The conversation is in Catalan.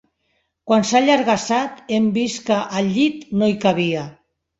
Quan s'ha allargassat, hem vist que, al llit, no hi cabia.